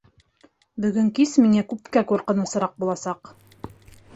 Бөгөн кис миңә күпкә ҡурҡынысыраҡ буласаҡ...